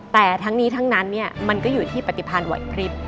แต่ทั้งนี้ทั้งนั้นมันก็อยู่ที่ปฏิพันธ์ไหวพลิบ